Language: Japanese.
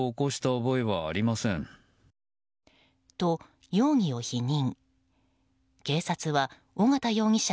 と、容疑を否認。